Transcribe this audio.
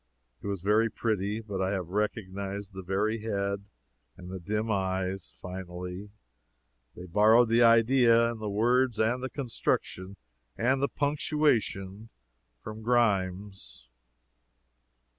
It was very pretty. But I have recognized the weary head and the dim eyes, finally. They borrowed the idea and the words and the construction and the punctuation from Grimes.